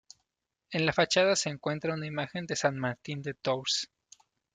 En la fachada se encuentra una imagen de san Martín de Tours.